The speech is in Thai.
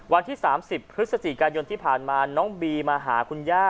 วันที่๓๐พฤศจิกายนที่ผ่านมาน้องบีมาหาคุณย่า